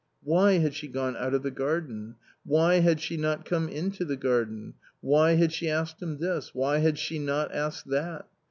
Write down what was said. Why had sh« gone out of the garden ? why had she not come into the garden ? why had she asked this ? why had she not asked that